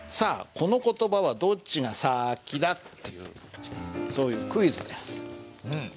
この言葉はどっちが先だ？っていうそういうクイズです。